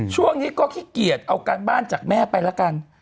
ช่วงนี้ก็ขี้เกียจเอาการบ้านจากแม่ไปแล้วกัน